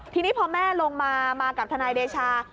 ทีนี้พอแม่ลงมามากับทนายเดชา